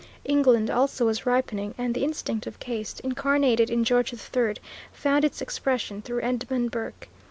England also was ripening, and the instinct of caste, incarnated in George III, found its expression through Edmund Burke.